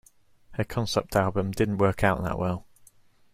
Her concept album didn't work out that well.